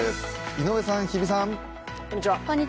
井上さん、日比さん。